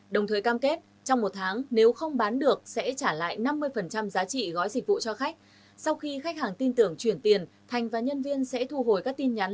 đồng thời cam kết trong một tháng nếu không bán được sẽ trả lại năm mươi giá trị gói dịch vụ cho khách sau khi khách hàng tin tưởng chuyển tiền thành và nhân viên sẽ thu hồi các tin nhắn